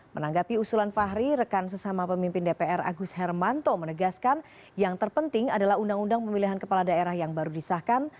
menanggapi usulan fahri rekan sesama pemimpin dpr agus hermanto menegaskan yang terpenting adalah undang undang pemilihan kepala daerah yang baru disahkan